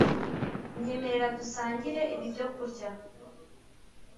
Nyemerera dusangire ibi byokurya